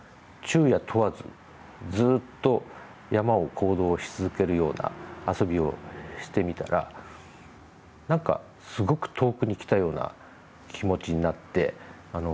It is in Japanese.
昼夜問わず、ずっと山を行動し続けるような遊びをしてみたら、なんかすごく遠くに来たような気持ちになって。